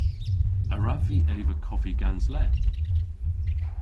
A wrav vy eva koffi gans leth?